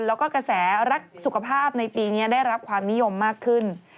เรื่องของการทำบุญและกระแสรักสุขภาพในปีนี้ได้รับความนิยมมากขึ้น